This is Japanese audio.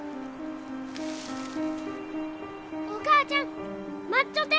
お母ちゃん待っちょって！